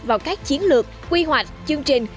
vào các chiến lược quy hoạch chương trình